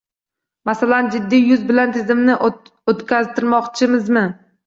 Masalan, jiddiy yuz bilan, tizimni o‘zgartirmoqchimizmi